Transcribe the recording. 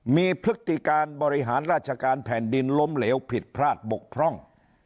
มีพฤติการบริหารราชการแผ่นดินล้มเหลวผิดพลาดบกพร่อง